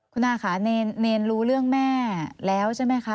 คุณอาค่ะเนรรู้เรื่องแม่แล้วใช่ไหมคะ